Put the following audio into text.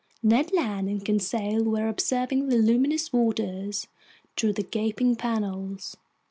Ned Land and Conseil were observing the luminous waters through the gaping panels.